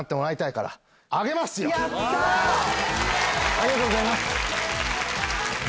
ありがとうございます！